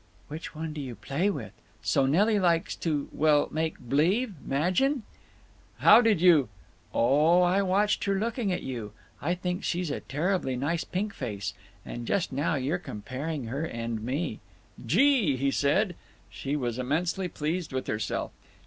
"Which one do you play with? So Nelly likes to—well, make b'lieve—'magine?" "How did you—" "Oh, I watched her looking at you. I think she's a terribly nice pink face. And just now you're comparing her and me." "Gee!" he said. She was immensely pleased with herself.